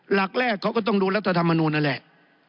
หลักแรกเขาก็ต้องดูรัฐธรรมนูลนั่นแหละ